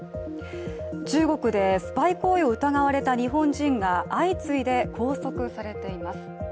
中国でスパイ行為を疑われた日本人が相次いで拘束されています。